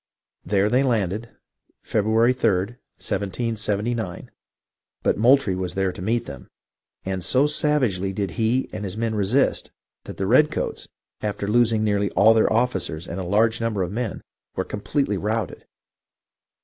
There they landed, February 3d, 1779; but Moultrie was there to meet them, and so savagely did he and his men resist that the redcoats, after losing nearly all their officers and a large number of men, were completely routed.